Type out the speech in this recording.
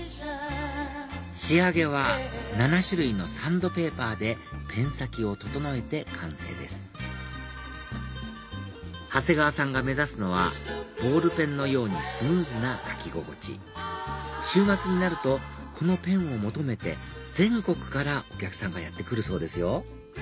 仕上げは７種類のサンドペーパーでペン先を整えて完成です長谷川さんが目指すのはボールペンのようにスムーズな書き心地週末になるとこのペンを求めて全国からお客さんがやって来るそうですよ